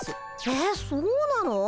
えっそうなの？